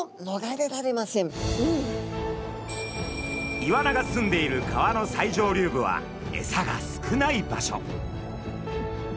イワナがすんでいる川の最上流部はエサが少ない場所。